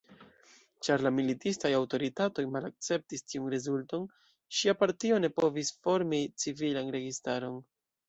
Ĉar la militistaj aŭtoritatoj malakceptis tiun rezulton, ŝia partio ne povis formi civilan registaron.